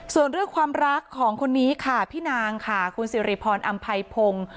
ส่วนเรื่องความรักของคนนี้ค่ะพี่นางค่ะคุณสิริพรอำไพพงศ์